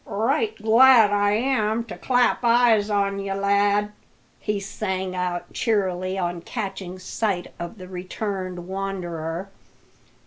"Right glad I am to clap eyes on ye, lad!" he sang out cheerily on catching sight of the returned wanderer.